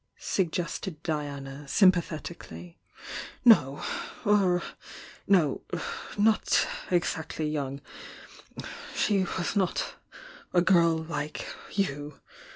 suggested Diana, sympathetically. "No — er— no!— not exactly young!— she waa not a girl like you!